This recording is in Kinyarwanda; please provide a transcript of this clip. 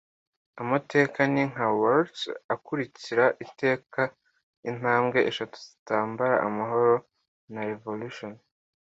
Amateka ni nka waltz, akurikira iteka intambwe eshatu zintambara, amahoro na revolution.